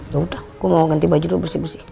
yaudah gue mau ganti baju dulu bersih bersih